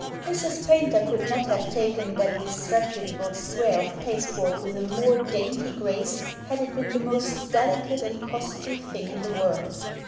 Mrs. Paynter could not have taken that dis reputable square of pasteboard with a more dainty grace had it been the most delicate and costly thing in the world.